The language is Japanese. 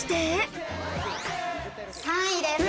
３位です。